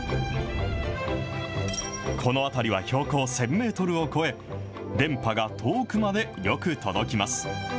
この辺りは標高１０００メートルを越え、電波が遠くまでよく届きます。